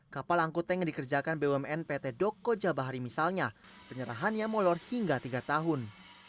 kapal angkutan yang dikerjakan bumn pt doko jabahari misalnya penyerahannya molor hingga tiga tahun